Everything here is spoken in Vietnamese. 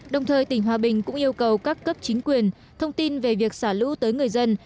đồng thời tỉnh hòa bình cũng yêu cầu các cấp chính quyền thông tin về việc xả lũ tới người dân